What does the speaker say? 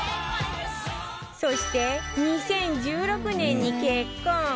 そして、２０１６年に結婚。